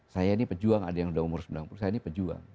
saya ini pejuang ada yang udah umur sembilan puluh saya ini pejuang